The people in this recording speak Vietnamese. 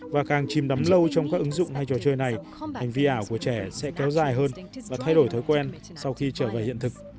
và càng chìm đắm lâu trong các ứng dụng hay trò chơi này hành vi ảo của trẻ sẽ kéo dài hơn và thay đổi thói quen sau khi trở về hiện thực